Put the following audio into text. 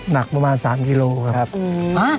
หนักประมาณ๓กิโลครับ